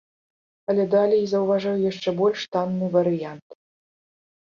Але далей заўважаю яшчэ больш танны варыянт.